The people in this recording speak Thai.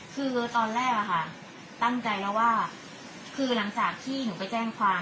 คือตอนแรกอะค่ะตั้งใจแล้วว่าคือหลังจากที่หนูไปแจ้งความ